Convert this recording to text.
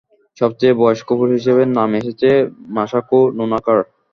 সবচেয়ে বয়স্ক পুরুষ হিসেবে নাম এসেছে মাসাকো নোনাকার।